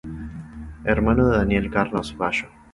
Hermano de Daniel Carlos Bayo.